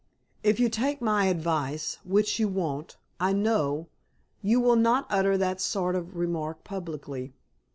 "If you take my advice, which you won't, I know, you will not utter that sort of remark publicly."